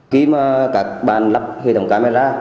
khi mà các bạn lắp hệ thống camera